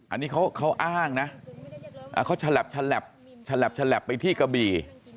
อันนี้เขาอ้างนะเขาฉลับฉลับไปที่กระบี่